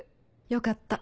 よかった。